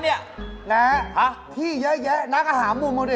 เนี่ยพี่เยอะนักอาหารหมางอดิ